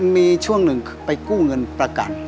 มีช่วงหนึ่งไปกู้เงินประกัน